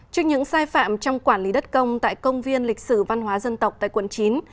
trước những sai phạm trong quản lý đất công tại công viên lịch sử văn hóa dân tộc tại quận chín